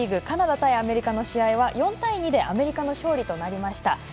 カナダ対アメリカの試合は４対２でアメリカの勝利となりました。